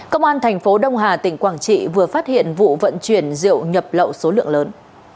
công an thành phố đông hà tỉnh quảng trị vừa phát hiện vụ vận chuyển rượu nhập lậu số lượng lớn